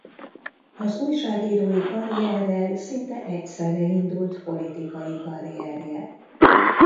Az újságírói karrierrel szinte egyszerre indult politikai karrierje.